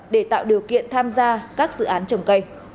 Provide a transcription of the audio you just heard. để tạo điều kiện tham gia các dự án trồng cây